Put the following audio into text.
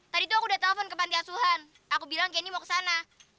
tadi tuh aku udah telepon ke pantiasuhan aku bilang candy mau kesana